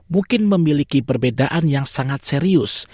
mungkin memiliki perbedaan yang sangat serius